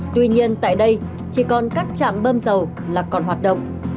tuy nhiên tại đây chỉ còn các trạm bơm dầu là còn hoạt động